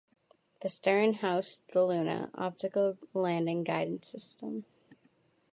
The stern housed the "Luna" optical landing guidance system.